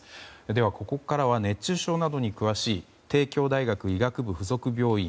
ではここからは熱中症などに詳しい帝京大学医学部附属病院